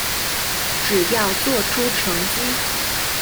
只要做出成績